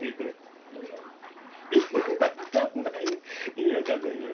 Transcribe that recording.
意味わかんないね！